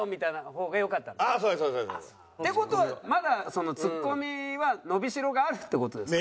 って事はまだツッコミは伸び代があるって事ですか？